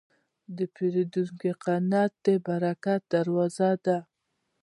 د پیرودونکي قناعت د برکت دروازه ده.